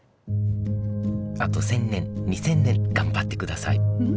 あと１，０００年２，０００年頑張ってください。